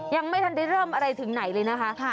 ยังไม่ทันได้เริ่มอะไรถึงไหนเลยนะคะ